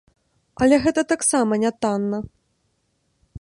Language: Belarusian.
Але гэта таксама нятанна.